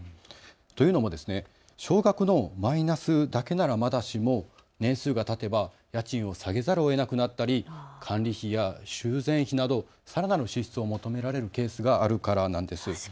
というのも少額のマイナスだけならまだしも、年数がたてば家賃を下げざるをえなくなったり管理費や修繕費などさらなる支出を求められるケースがあるからなんです。